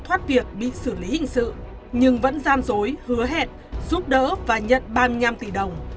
thoát việc bị xử lý hình sự nhưng vẫn gian dối hứa hẹn giúp đỡ và nhận ba mươi năm tỷ đồng